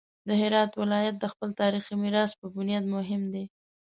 د هرات ولایت د خپل تاریخي میراث په بنیاد مهم دی.